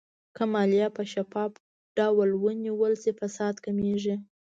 که مالیه په شفاف ډول ونیول شي، فساد کمېږي.